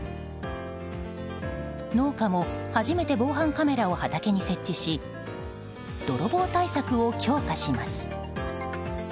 農家も、初めて防犯カメラを畑に設置し泥棒対策を強化します。